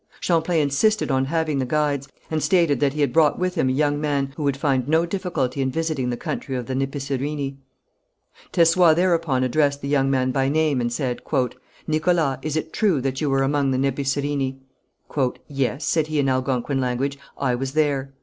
Champlain insisted on having the guides, and stated that he had brought with him a young man who would find no difficulty in visiting the country of the Nipissirini. Tessoüat thereupon addressed the young man by name, and said: "Nicholas, is it true that you were among the Nebicerini?" "Yes," said he in Algonquin language, "I was there."